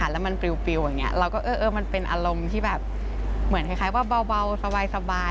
แล้วมันเปรียวอย่างนี้มันเป็นอารมณ์ที่เหมือนคล้ายว่าเบาสบาย